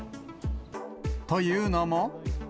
というのも。